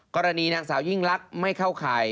กรณีนางสาวยิ่งลักษณ์ไม่เข้าข่าย